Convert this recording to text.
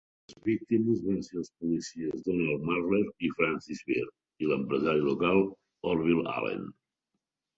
Les víctimes van ser els policies Donald Marler i Francis Wirt i l'empresari local Orville Allen.